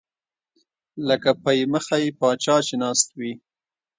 لکه پۍ مخی پاچا چې ناست وي